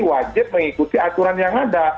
wajib mengikuti aturan yang ada